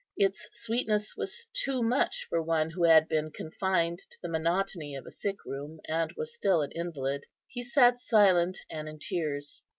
Its sweetness was too much for one who had been confined to the monotony of a sick room, and was still an invalid. He sat silent, and in tears.